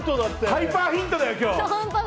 ハイパーヒントだよ、今日！